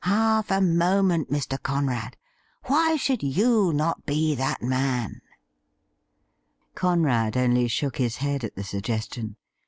Half a moment, Mr. Conrad — why should you not be that man T Conrad only shook his head at the suggestion.